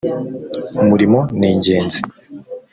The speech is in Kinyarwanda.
umurimo ningenzi.